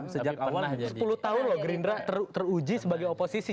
sejak awal sepuluh tahun loh gerindra teruji sebagai oposisi